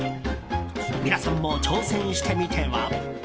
皆さんも挑戦してみては？